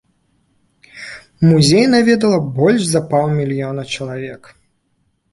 Музей наведалі больш за паўмільёна чалавек.